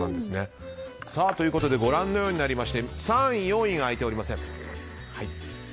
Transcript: ということでご覧のようになりまして３位、４位が開いておりません。